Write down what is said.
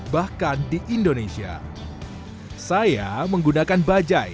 pak terima kasih ya